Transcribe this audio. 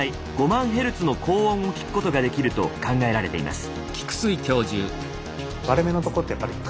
５万ヘルツの高音を聞くことができると考えられています。